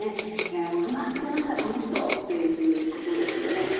大人って何か楽しそうということですよね。